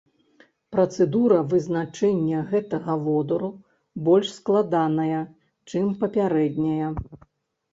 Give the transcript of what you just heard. Працэдура вызначэння гэтага водару больш складаная, чым папярэднія.